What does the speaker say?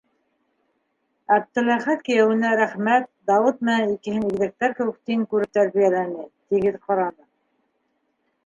Әптеләхәт кейәүенә рәхмәт, Дауыт менән икеһен игеҙәктәр кеүек тиң күреп тәрбиәләне, тигеҙ ҡараны.